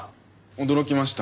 驚きました。